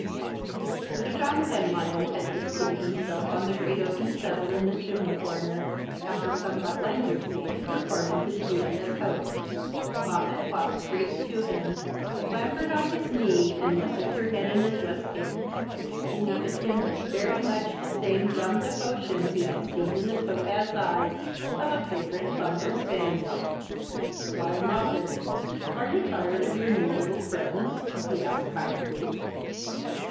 Sir John Penlyon had just seated himself on the great oaken settle in the chimney corner, after somewhat languidly performing his duty as host. Moppet walked straight to him, clambered on his knee, and nestled her head in his waistcoat, gazing up at him with very much the same dumb devotion he had seen in the topaz eyes of a favourite Clumber spaniel. " Why, Moppet, are you tired of your new little friends ?" he asked kindly.